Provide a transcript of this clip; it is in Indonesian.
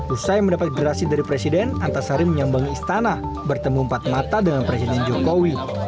usai mendapat gerasi dari presiden antasari menyambangi istana bertemu empat mata dengan presiden jokowi